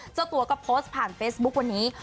เจ้าตัวก็โพสต์ผ่านเฟซบุ๊ควันนี้